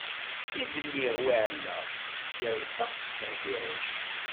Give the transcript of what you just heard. I bniɣ wi ɛellaɣ, yal ṭṭaq s dheb iruc.